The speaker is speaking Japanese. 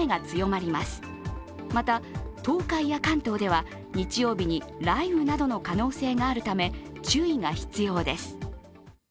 また、東海や関東では日曜日に雷雨などの可能性があるため注意が必要です。